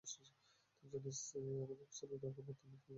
তুই জানিস, আমাদের পিস্তলের দরকার পড়তো না, যদি তুই আমাদের সাথে থাকতি?